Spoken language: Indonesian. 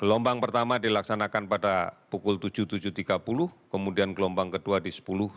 gelombang pertama dilaksanakan pada pukul tujuh tujuh tiga puluh kemudian gelombang kedua di sepuluh